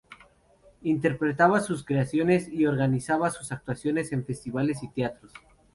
Interpretaba sus creaciones y organizaba actuaciones en festivales y teatros.